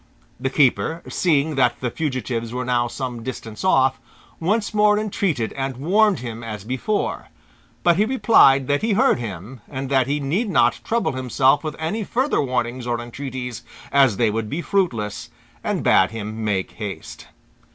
The keeper, seeing that the fugitives were now some distance off, once more entreated and warned him as before; but he replied that he heard him, and that he need not trouble himself with any further warnings or entreaties, as they would be fruitless, and bade him make haste.